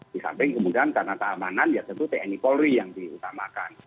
di samping kemudian karena keamanan ya tentu tni polri yang diutamakan